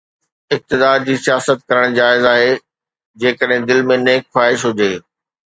اقتدار جي سياست ڪرڻ جائز آهي، جيڪڏهن دل ۾ نيڪ خواهش هجي.